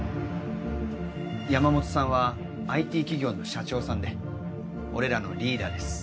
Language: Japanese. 山本さんはＩＴ企業の社長さんで俺らのリーダーです